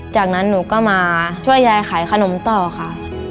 จากนั้นหนูก็มาช่วยยายขายขนมต่อค่ะ